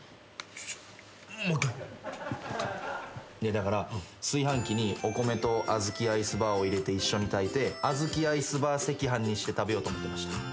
だから炊飯器にお米とあずきアイスバーを入れて一緒に炊いてあずきアイスバー赤飯にして食べようと思ってました。